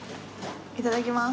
いただきます。